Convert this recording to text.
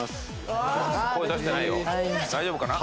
大丈夫かな？